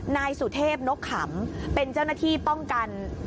นายสุเทพนกขำเป็นเจ้าหน้าที่ป้องกัน